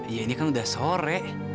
ya ini kan udah sore